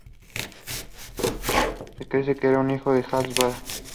Se cree que era hijo de Hans Bach.